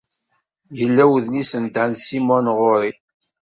Yella wedlis n Dan Simmons ɣur-i.